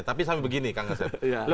tapi sampai begini kang asep